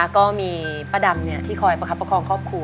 ก็มีป้าดำที่คอยประคับประคองครอบครัว